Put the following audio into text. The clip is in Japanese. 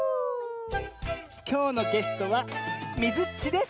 きょうのゲストはみずっちです！